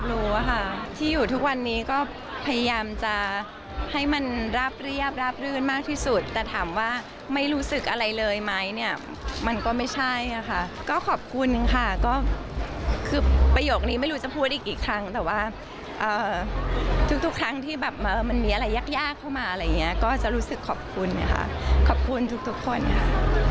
รู้ค่ะที่อยู่ทุกวันนี้ก็พยายามจะให้มันราบเรียบราบรื่นมากที่สุดแต่ถามว่าไม่รู้สึกอะไรเลยไหมเนี่ยมันก็ไม่ใช่ค่ะก็ขอบคุณค่ะก็คือประโยคนี้ไม่รู้จะพูดอีกกี่ครั้งแต่ว่าทุกครั้งที่แบบมันมีอะไรยากเข้ามาอะไรอย่างนี้ก็จะรู้สึกขอบคุณค่ะขอบคุณทุกคนค่ะ